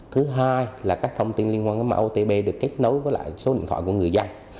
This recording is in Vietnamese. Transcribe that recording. thứ hai là các thông tin liên quan tới mạng otp được kết nối với lại số điện thoại của người dân